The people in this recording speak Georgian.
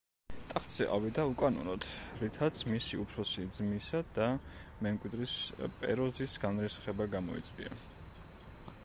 ტახტზე ავიდა უკანონოდ, რითაც მისი უფროსი ძმისა და მემკვიდრის, პეროზის განრისხება გამოიწვია.